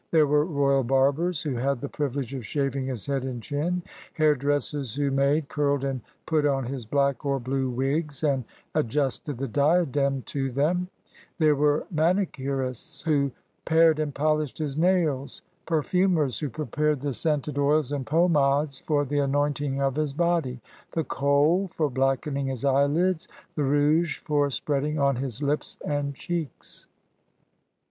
There were royal barbers, who had the privilege of shaving his head and chin ; hairdressers who made, curled, and put on his black or blue wigs and ad justed the diadem to them; there were manicurists who pared and poHshed his nails, perfumers who prepared the scented oils and pomades for the anointing of his body, the kohl for blackening his eyelids, the rouge for spreading on his lips and cheeks.